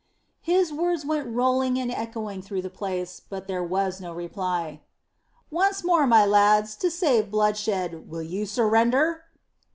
His words went rolling and echoing through the place, but there was no reply. "Once more, my lads, to save bloodshed, will you surrender?"